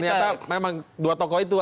ternyata memang dua tokoh itu